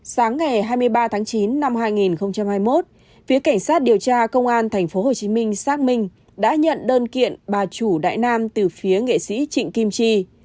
sáng ngày hai mươi ba tháng chín năm hai nghìn hai mươi một phía cảnh sát điều tra công an tp hcm xác minh đã nhận đơn kiện bà chủ đại nam từ phía nghệ sĩ trịnh kim chi